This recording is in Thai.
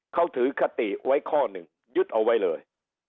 เขาถือคติไว้ข้อหนึ่งยึดเอาไว้เลย